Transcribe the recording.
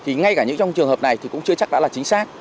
thì ngay cả trong trường hợp này cũng chưa chắc là chính xác